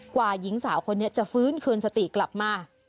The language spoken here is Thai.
หญิงสาวคนนี้จะฟื้นคืนสติกลับมา